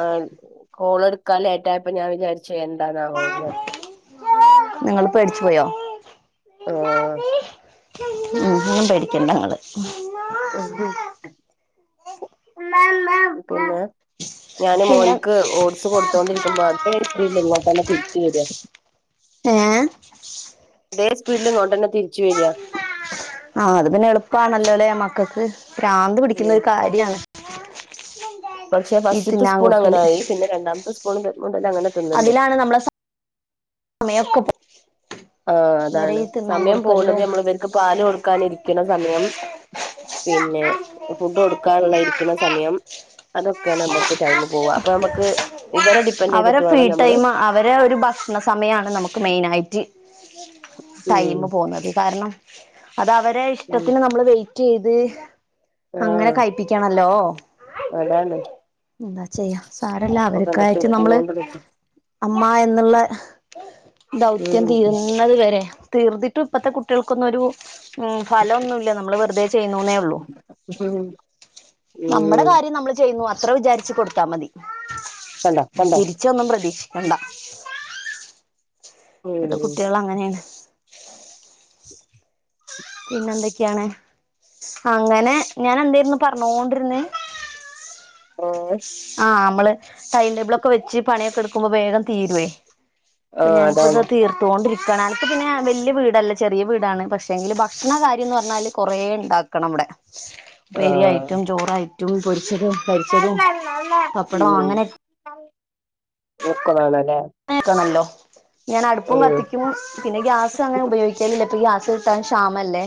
ആഹ് കോള്ട്ക്കാൻ ലേറ്റയപ്പൊ ഞാൻ വിചാരിച്ചു എന്താണാവോ വിചാരിച്ചു നിങ്ങള് പേടിച്ച് പോയോ? ആഹ് ഉം ഹും പേടിക്കണ്ടങ്ങള് ഉഹും പിന്നെ ഞാന് പിന്നെ മോൻക്ക് ഓട്സ് കൊട്ത്തോണ്ടിരിക്കുമ്പോ അതേ സ്പീടില് ഇങ്ങട്ടെന്നെ തിരിച്ച് വരാ ഏഹ്? അതേ സ്പീഡില്ങ്ങോട്ടന്നെ തിരിച്ച് വരാ ആഹ് അത് പിന്നെ എളുപ്പണല്ലൊലെ മക്കക്ക് പ്രാന്ത് ഉം പിടിക്ക്ന്നൊരു കാര്യാണ് പക്ഷെ ഈ ഫസ്റ്റ്ത്തെ തിന്നാൻ സ്പൂൺ കൊടുക്കല് അങ്ങനായി പിന്നെ രണ്ടാമത്തെ സ്പൂണ് മുതലങ്ങനെ തിന്നണ്ട് അതിലാണ് നമ്മളെ [unintelligible] ആഹ് ഇവരെ അതാണ് ഈ തിന്നാൻ സമയം പോണത് കൊടുക്കലും നമ്മള് വര് ക്ക് പാല് കൊട്ക്കാനിര്ക്ക്ണ സമയം പിന്നെ ഫുഡ് കൊടുക്കാള്ള ഇരി ക്ക്ണ സമയം അതൊക്കേണ് നമ്മക്ക് ടൈമ് പോവ അപ്പൊ നമക്ക് ഇവരെ ഡിപ്പെൻഡ് ചെയ്തിട്ട് വേണം നമ്മള് ഇവരെ ഒരു ഭക്ഷണ സമയാണ് നമുക്ക് മെയിനായിട്ട് ഉം ടൈമ് പോണത് കാരണം അതവരെ ഉം ഇഷ്ടത്തിന് നമ്മള് വെയിറ്റെയ്ത് അങ്ങനെ ആഹ് കഴിപിക്കണല്ലോ അതാണ് എന്താ ചെയ്യാ സാരല്ല ഇപ്പൊ കണ്ടത്തി അവര്ക്കായിട്ട് നമ്മള് എത്തിക്കൊണ്ട് നിക്കും അമ്മ എന്ന്ള്ള ദൗത്യം ഉം തീരുന്നുന്നത് വരെ തീർത്തിട്ടും ഇപ്പത്തെ കുട്ടികൾക്കൊന്നും ഒരു ഉം ഫലൊന്നൂല്ല നമ്മള് വെറ്തെ ചെയ്യുന്നൂന്നെ ഹും ഉം നമ്മടെ കാര്യം നമ്മള് ചെയ്യുന്നു അത്ര വിചാരിച്ച് കൊട്ത്താ മതി കണ്ടോ കണ്ടോ തിരിച്ചൊന്നും പ്രതീക്ഷിക്കണ്ട ഇപ്പത്തെ ഉം കുട്ട്യാളങ്ങനേണ് പിന്നെന്തൊക്കെയാണ് അങ്ങനെ ഞാനെന്തായിര്ന്നു പറഞ്ഞോണ്ടിര്ന്ന്? ആഹ് ആഹ നമ്മള് ടൈം ടേബിള ഒക്കെ വെച്ച് പണിയൊക്കെ എടുക്കുമ്പോ വേഗം തീരുവേ അപ്പ ആഹ് ഞാനിപ്പോ അതാണ് ഇതത് തീർത്തോണ്ടരിക്കും ഗണാലത്ത് പിന്നെ വല്യ വീടല്ല ചെറിയ വീടാണ് പക്ഷെങ്കില് ഭക്ഷണ കാര്യം എന്ന് പറഞ്ഞാല് കൊറെേ ഉണ്ടാക്കണം ഇവിടെ [inaudible] പെരിയായിട്ടും ചോറായിട്ടും പൊരിച്ചതും കരിച്ചതും ഉ പപ്പടം അങ്ങനെ മുക്കതണല്ലേ? ക്കണല്ലോ ഞാനടുപ്പും കത്തിക്കും പിന്നെ ഗ്യാസങ്ങനെ ഉപയോഗി പ്പല്ല ഗ്യാസ് കിട്ടാൻ ശാമ അല്ലേ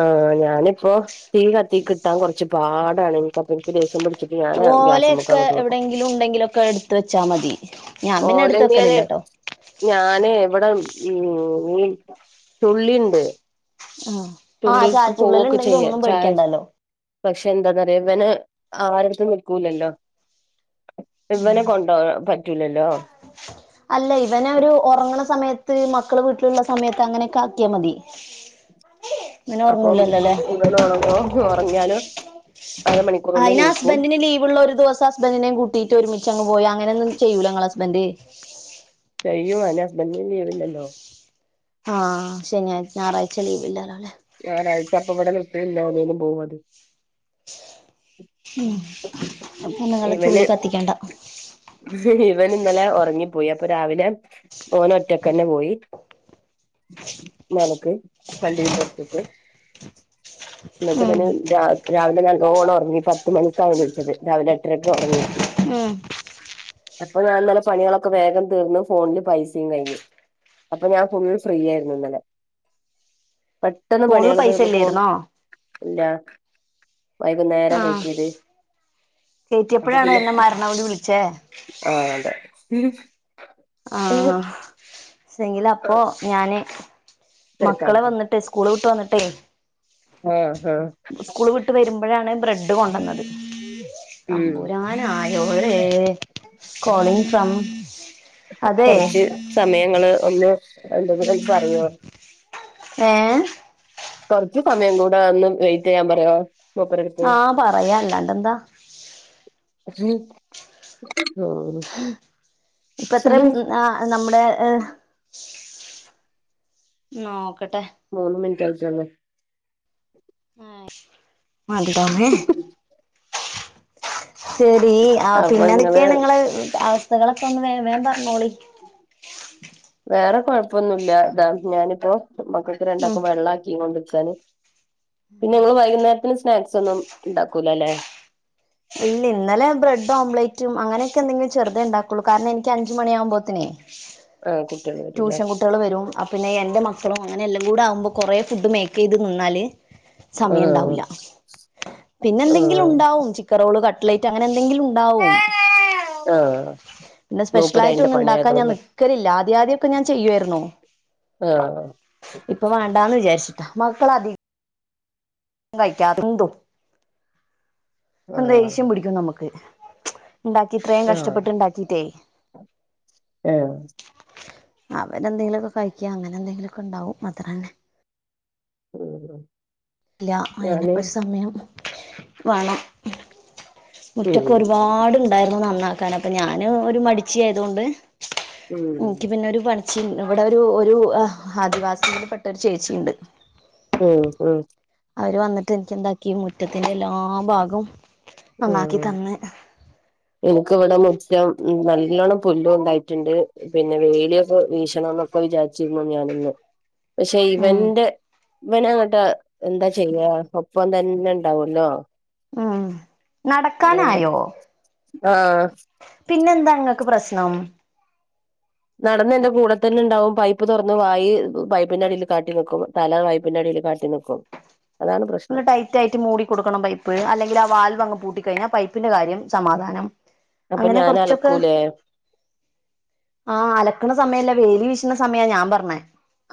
ആഹ് ഞാനിപ്പോ തീ കത്തി കിട്ടാൻ കുറച്ച് പാടാണ് എനിക്ക ദേഷ്യം പിടിച്ചട്ട് ഞാന് ഗ്യാസ മുക്ക അങ്ങോ വെക്കും എന്തെങ്കിലും ഉണ്ടെങ്കില ഒക്കെ എടുത്ത വെച്ചാൽ മതി ഞാൻ പിന്നെ എടുത്ത് ഓലയ്ന് വെക്കലില്ല കേട്ടോ ഞാന് ഇവിടെ ചുള്ളിയുണ്ട് ആഹ് ആഹ് തുള്ളിലക്ക് ചായച്ചുള്ളൽ പോവൊക്കെ ഉണ്ടെങ്കി ചെയ്യ ഒന്നും ചാ പേടിക്കണ്ടല്ലോ പക്ഷെ എന്താന്നറയാ ഇവന് ആരടുത്തും നിൽക്കൂലല്ലോ ഇവനെ കൊണ്ട പറ്റൂലല്ലോ അല്ല ഇവന ഒരു ഉറങ്ങണ സമയത്ത് മക്കള് വീട്ടിലുള്ള സമയത്ത് അങ്ങനെയൊക്കെ ആക്കിയാ മതി ഇവന് അപ്പം ഉറങ്ങൂലല്ലോ അല്ലേ ഇവനൊറങ്ങുവോ ഉറങ്ങിയല് ആയിന്റെ ഹസ്ബൻഡറിന് ലീവ്ള്ള ഒരു ദിവസം ഹസ്ബന്റിനേ കൂട്ടീട്ട് ഒരുമിച്ച അങ് പോയി അങ്ങനൊന്നും ചെയ്യല്ല ഞങ്ങള് ഹസ്ബന്റ്? ചെയ്യും അങ്ങനെ ഹുസ്ബൻഡ് ലീവില്ലല്ലോ ആഹ് ശനിയാഴ്ച ഞായറാഴ്ച ലീവില്ലാലോ ഞായാഴ്ചച്ചപ്പ ഇവിടെ നൃത്തിം ഇല്ലാന്ന പോലും പോവും മതി ഉ അപ്പൊ നിങ്ങള് ചുള്ളി കത്തിക്കണ്ട ഇഹ് ഹ് ഇവൻ ഇന്നലെ ഉറങ്ങിപ്പോയി അപ്പൊ രാവിലെ ഓന് ഒറ്റക്കെ തന്നെ പോയി നിക്ക് പള്ളിയന്റെ ഇടുത്തക്ക് എന്നിട്ട ഉം തന്നെ രാ രാവിലെ ഞാ ല്ലോണം ഉറങ്ങി പത്ത് മണിക്കാണ് വിളിച്ചത് രാവിലെ എട്ടരക്കെ ഉറങ്ങീട്ട് ഉം അപ്പൊ ഞാൻന്നലെ പണികളൊക്കെ വേഗം തീർന്ന് ഫോണില് പൈസിം കഴിഞ്ഞ് അപ്പൊ ഞാൻ ഫുള്ള് ഫ്രീയയിരുന്നു ഇന്നലെ പെ ട്ടെന്ന് ഫോണില് പണിയളൊക്കെ പൈസ ർന്ന ഇല്ലായിരുന്നോ പോൾല്ലാ വൈകുന്നേര ആഹ് കയറ്റിയത് അപ്പൊ പിന്നെ [unintelligible] അഓണ്ട് വിളിച്ചേ ആഹ് അതെ സെങ്കില അപ്പോ ഞാന് മക്കളെ തിരക്കായിരുന്നു വന്നിട്ടേ സ്കൂള് വിട്ട് വന്നിട്ടേ ആഹ് ആഹ് സ്കൂള് വിട്ട് വരുമ്പോഴാണ് ബ്രെഡ് കൊണ്ടുവന്നത് ഉം തമ്പൂരാ അനായോളേ കോളിങ് ഫ്രം അതെ കൊറച്ച് സമയങ്ങള് ഒന്ന് എന്തെങ്കിലും പറഞ്ഞോ ഏഹ് കൊറച്ചു സമയം കൂടെ ഒന്ന് വെയിറ്റ്യ്യാൻ പറ്യോ ആഹ് പറയാ അല്ലാണ്ട്ന്താ ഉം ഇപ്പത്രേം ഉം ആഹ് നമ്മടെ ഏഹ് ന്നോക്കട്ടെ മൂന്ന് മിൻറ്റായ്ട്ടൊള്ളൂ ആഹ് [unintelligible] ഉം ശെരി ആഹ് അപ്പൊ നിങ്ങള് പിന്നെന്തൊക്കെയാണ് ങ്ങള് അവസ്ഥകളൊക്കെ ഒന്ന് വേ വേൻ പറഞ്ഞോളി വേറെ കൊഴപ്പൊന്നുല്ല താ ഞാനിപ്പോ മക്കക്ക് ഉം രണ്ടാക് വെള്ള ആക്കീം കൊണ്ട് ക്കാണ് പിന്നെ നിങ്ങൾ വൈകുന്നേരത്തിന് സ്നാക്സ് ഒന്നും ഉണ്ടാക്കൂലല്ലെ ഇല്ല ഇന്നലെ ബ്രെഡ് ഓംലറ്റും അങ്ങനെയൊക്കെ എന്തെങ്കിലും ചെറുതേ ഉണ്ടാക്കുള്ളൂ കാരണം എനിക്ക് അഞ്ചുമണിയാകുമ്പോത് നേ ആഹ് കുട്ടിൾ വരൂല്ലേ ട്ട്യേൾ വരും അപിന്നെ എന്റെറ മക്കളും അങ്ങനെ എല്ലാം കൂടെ ആകുമ്പോൾ കുറെ ഫുഡ് മേക്ക് ചെയ്ത് നിന്നാല് സമയം ആഹ് ഉണ്ടാവൂല്ല പിന്നെ എന്തെങ്കിലും ആഹ് ഉണ്ടാവും ചികറോൾ കട്ട്‌ലറ്റ് അങ്ങനെ എന്തെങ്കിലു ഉണ്ടാവും. ആഹ് പിന്നെ സ്പെഷ്യൽ മൂപ്പര് ആയിട്ട് അയിന്റെ ഒന്ന് ഇണ്ടാക്കാൻ ഞാൻ പണിയായതൊണ്ട് നി ക്കലില്ല ആദ്യം ആദ്യക്കെ ഞാൻ ചെയ്യുആയിരുന്നു. ആഹ് ഇപ്പൊ വേണ്ടാന്ന് വിചാരിച്ചിട്ടാ മക്കള അധിക കഴിക്കാത്തന്തും ദേഷ്യം ആഹ് പിടിക്കും നമുക്ക് ണ്ടാക്കി ഇത്രേം ആഹ് കഷ്ടപ്പെട്ട്ണ്ടാക്കിട്ടേ ഏഹ് അവരെന്തെങ്കിലുക്കെ കഴിക്ക അങ്ങനെന്തെങ്കിലുക്കെ ഉണ്ടാവു അത്രന്നെ ഉം ഇല്ല ഞാന് അയിന്പ്പ് ഒരു സമയം വേണം. മുറ്റൊക്കെ ഉം ഒരുപാടുണ്ടായിരുന്നു നന്നാക്കാൻ അപ്പൊ ഞാന് ഒരു മടിച്ചി ആയതോണ്ട് ഉം ഇൻക്ക് പിന്നെ ഒരു പണി ച്ചിൻ ഇവിടെ ഒരു ഒരു ആഹ് ആദിവാസിൽ പെട്ട ഒരു ചേച്ചി ഉണ്ട്. ഉം ഉം അവര് വന്നിട്ട് എനിക്ക് എന്താക്കിഈ മുറ്റത്തിന്റെ എല്ലാ ഭാഗം ആഹ് ഇൻക്ക് ഇവിടെ മുറ്റം നല്ലോണം പുല്ലും ഉണ്ടായിട്ടുണ്ട് പിന്നെ വേലിയൊക്കെ വീഷണം എന്നൊക്കെ വിചാരിച്ചിരുന്നു ഞാനിന്ന് പക്ഷെ ഉം ഇവന്റെ ഇവന് അങ്ങട്ട് എന്താ ചെയ്യ ഒപ്പം തന്നെണ്ടാവല്ലോ. ഉം അതൊണ്ട് നടക്കാനായോ ആഹ് പിന്നെന്താ ഇങ്ങക്ക് പ്രശ്നം നടന്ന് എന്റെ കൂടെത്തന്നെ ഇണ്ടാവും. പൈപ്പ് തൊറന്ന് വായി പൈപ്പിന്റെ അടില് കാട്ടി നിൽക്കും [unintelligible] തല വായ്പിന്റെടില് കാട്ടി നിക്കും. അതാണ് നല്ല പ്രശ്നം ടൈറ്റ് ആയിട്ട് മൂടിക്കൊടുക്കണം പൈപ്പ്. അല്ലെങ്കിൽ ആ വാൽവ് അങ്ങ് പൂട്ടിക്കഴിഞ്ഞാൽ പൈപ്പിന്റെ കാര്യം സമാധാനാവും. അപ്പൊ അങ്ങനെ ഞാൻ കൊറ്ച്ചൊക്കെ അലക്കൂലേ ആഹ് അലക്ക്ണ സമയല്ലേ വേലി വീശ്ണ സമയ ഞാൻ പറ്ന്നെ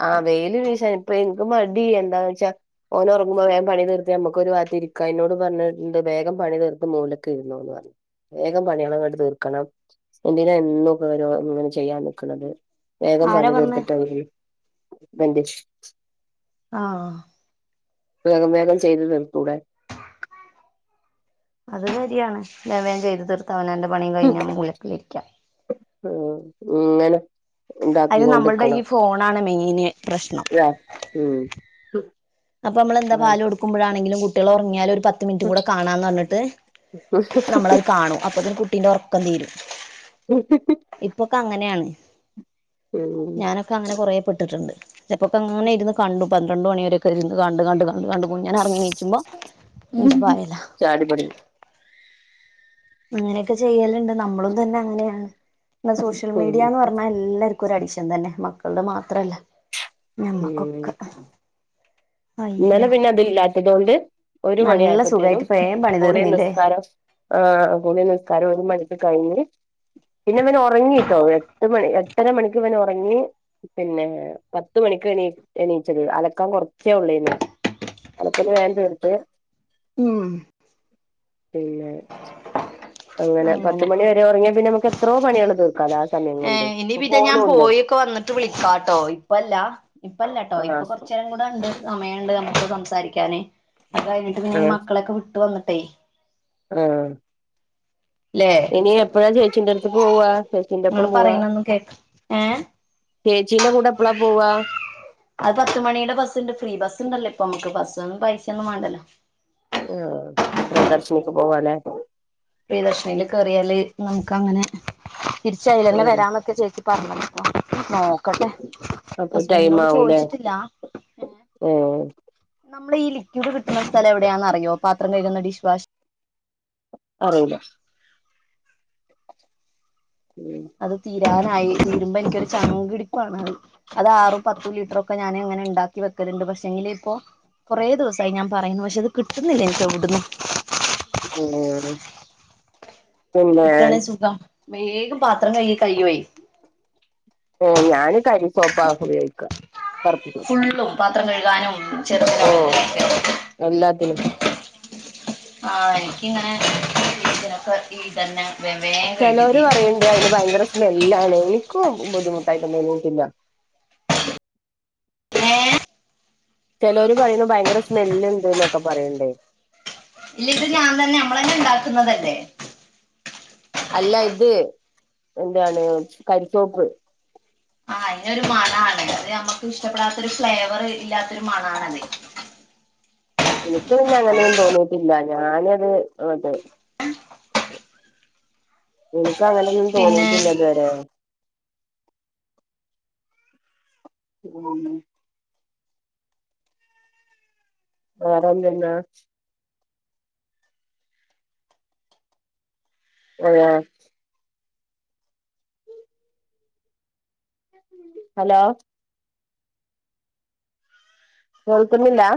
ആഹ് വേല് വീശാൻ ഇപ്പ എ മടി എന്താന്ന് വെച്ചാ ഓന് ഒറങ്ങുമ്പോ വേം പണി തീർത്ത് നമുക്ക് ഒരു വാത്തി ഇരിക്കാന ഇന്നോട് പറഞ്ഞിട്ട്ണ്ട് വേഗം പണി തീർത്ത് മൂലൊക്കെ ഇരുന്നൊന്ന് പറഞ്ഞു. വേഗം പണികളങ്ങട്ട് തീർക്കണം. എന്തിനാ എന്നും വരെ വരു ഇങ്ങനെ ചെയ്യാൻ നിക്ക്ണത്. വേഗം ആരാ പണി പറഞ്ഞേ തീർത്തിട്ടാണെങ്കി [unintelligible] വന്ഡ അഹ് ആഹ് വേഗം വേഗം ചെയ്തു തീർത്തൂടെ. അത് കാര്യാണ് വേം വേം ചെയ്ത് തീർത്താ അവനാന്റെ പണിയും കഴിഞ്ഞാ മുലക്കിരിക്ക്യ ഉം ഇങ്ങനെ അയ്ല് നമ്മള്ടെ ഈ ഇണ്ടാക്കിക്കൊണ്ടിക്കണം ഫോണാണ് മെയിന് പ്രശ്നം ല്ലേ ഉം അപ്പൊ നമ്മെന്താ പാല് കൊടുക്ക്മ്പോഴാണെങ്കിലും കുട്ട്യേള് ഒറ്ങ്ങിയാലു ഒരു പത്ത് പത്ത് മിൻറ്റും കൂടെ കാണാന്ന് പറ്ഞ്ഞിട്ട് നമ്മളത് കാണും. അപ്പോത്തിന് കുട്ടിന്റെ ഒറ ഒക്കെ തീരും. ഇപ്പൊക്കെ അങ്ങനെ ആണ് ഞാനൊക്കെ അങ്ങനെ കൊറേ പെട്ട്ട്ടുണ്ട്. ചെൽപ്പൊങ്ങനെ ഇരുന്ന് കണ്ടു പന്ത്രണ്ട് മണിവരൊക്കെ ഇര്ന്ന് കണ്ട് കണ്ട് കണ്ട് കണ്ട് കുഞന് അറങ്ങി നിച്ചു മ്പം ചാടി പടി അങ്ങനെ ഒക്കെ ചെയ്യല്ണ്ട്. നമ്മളും തന്നെ അങ്ങനെയാണ്. ന്ന സോഷ്യൽ ഉം മീഡിയന്ന് പറ ഇന്നെല്ലാർക്കും ഒരഡിഷൻ തന്നെ മക്കളുടെ മാത്രല്ല ഉം ഞമ്മക്കൊക്കെ ഇന്നലെ അയ്യോ പിന്നെ ഇതില്ലാത്തതോണ്ട് ഒരു മണി നല്ല ആയപ്പത്തീനും സുഖായിട്ട് വേം പണി കുളീം തീർന്നില്ലേ നിസ്കാരം ആഹ് കൂളി നിസ്കാരോം ഒരു മണിക്ക് കഴിഞ്ഞ്. പിന്നെ ഇവനൊറങ്ങിട്ടോ എട്ട് മണി എട്ടര മണിക്കിവനൊറങ്ങി പിന്നെ പ പത്ത് മണിക്ക് എണീ എണീച്ചത് അലക്കാൻ കൊറച്ചേ ഒള്ളേന്നു. അലക്കല് വേം തീർത്ത് ഉം പിന്നെ അങ്ങനെ പത്തുമണി വരെ ഒറ്ങ്ങിയ പിന്നെ നമ്മക്ക്ത്രോ പണികൾ തീർക്കാലാസ്. ഏഹ് ഇനി പിന്നെ ഞാൻ പോയൊക്കെ വന്നിട്ട് വിളിക്കാട്ടോ? ഇപ്പല്ല ഇപ്പല്ലട്ടോ ഇപ്പൊ ആഹ് കൊറ്ച്ചേരം കൂടാ ഇണ്ട് സമയണ്ട് അമ്മക്ക് സംസാരിക്കാന്. അത് കഴിഞ്ഞിട്ട് പിന്നെ ആഹ് മക്കളെക്കെ വിട്ട് വന്നിട്ടെയ്. ആഹ് ല്ലേ ഇനി എപ്പഴാ ചേച്ചിന്ററത്ത്ക്ക് പോവാ ചേച്ചിന്റപ്പം നിങ്ങള് പോവാ? പറയണൊന്നും കേക്ക ഏഹ് ചേച്ചീന്റെ കൂടെ എപ്പളാ പോവാ അത് പത്തുമണിടെ ബസ്സ്ണ്ട് ഫ്രീ ബസ്സ്ണ്ടല്ലോ ഇപ്പം അമുക്ക് ഫ്രീ ബസ്സിണ്ടല്ലോ ഇപ്പം നമ്മക്ക് ബസ്സിന്‌ പൈസൊന്നും വാണ്ടല്ലോ? ആഹ് പ്രിയദർശിനിക്ക് പോവാലേ? പ്രിയദർശിനില് കേറിയാല് നമുക്ക് അങ്ങനെ തിരിച്ചയിലന്നെ ഉം വരാന്നൊക്കെ ചോ [unintelligible] ച്ചി പറ്ഞ്ഞപ്പൊ നോ ക്കട്ടെ അപ്പൊ ടൈം ഹസ്ബൻറിനോട് ആവൂലേ ചോയ്ച്ചിട്ടില്ല എഹ് ഉം നമ്മളീ ലിക്ഡ് കിട്ട്ന്ന സ്ഥലം എവിടെയാന്നറിയോ? പാത്രം കഴുന്ന ഡിഷ് വാഷ് അറീല ഉം അത് തീരാനായി തീരുമ്പോ എനിക്കൊരു ചങ്കിടിപ്പാണ് അത്. അത് ആറും പത്തും ലിറ്ററൊക്കെ ഞാന് ഇങ്ങനെ ഇണ്ടാക്കി വെക്കല്ണ്ട് പക്ഷെ എങ്കില് ഇപ്പോ. കൊറേ ദിവസായി ഞാ പറയുന്നു പക്ഷെ അത് കിട്ടുന്നില്ല എനിക്ക് എവിടുന്നും. ഉം [unintelligible] അത് പിന്നെ കിട്ടാണെ സുഖാ വേഗം പാത്രം കൈകി കൈയ്യോയ് ഏയ് ഞാന് കരി സോപ്പ ഉപയോഗിക്ക പർപ്പി ഫുള്ളും പാത്രം കഴുകാനും ചെറുതിനും ഓഹ് എല്ലാത്തിനും ആഹ് എനിക്കിങ്ങനെ ഇതിനൊക്കെ ഇതന്നെ വേ ചെലോല് പറീണ്ട് അയിന് ഭയങ്കര സ്മെല്ലാണ് എനിക്കു ബുദ്ധിമുട്ടായിട്ടൊന്നും തോന്നിട്ടില്ല ഏ ചേലോല് പറീണു ഭയങ്കര സ്മെല്ല്ണ്ട് ന്നൊക്കെ പറയിണ്ടേയ് ഇല്ല ഇത് ഞാൻ തന്നെ അമ്മളന്നെ ഇണ്ടാക്കുന്നല്ലേ. അല്ല ഇത് എന്താണ് കരിസോപ്പ് ആഹ് അയിനൊരു മണാണ് അത് ഞമ്മക്ക് ഇഷ്ടപ്പെടാത്തൊരു ഫ്ലേവർ ഇല്ലാത്തൊരു മണാണതെയ്‌ ഇനിക്ക് പിന്നെ അങ്ങനെന്നും തോന്നിയിട്ടില്ല ഞാനത് എനിക്കങ്ങനൊന്നും പിന്നെ തോന്നിട്ടില്ല ഇതുവരെ ഉം വേറെന്തെന്നാ അതെയാ ഹലോ കേൾക്കുന്നില്ല